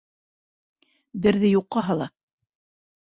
Берҙе юҡҡа һала.